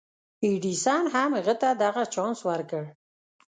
ايډېسن هم هغه ته دغه چانس ورکړ.